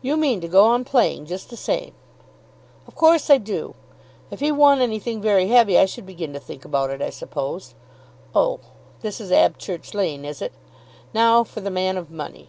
"You mean to go on playing just the same?" "Of course I do. If he won anything very heavy I should begin to think about it, I suppose. Oh; this is Abchurch Lane, is it? Now for the man of money."